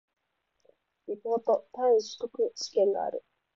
リポート、単位習得試験がある